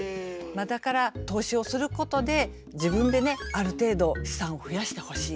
まあだから投資をすることで自分でねある程度資産を増やしてほしい。